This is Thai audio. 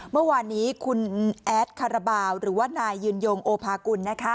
เมื่อวานนี้คุณแอดคาราบาลหรือว่านายยืนยงโอภากุล